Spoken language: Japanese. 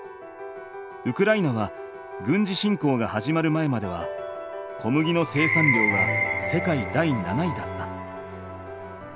ウクライナは軍事侵攻が始まる前までは小麦の生産量が世界第７位だった。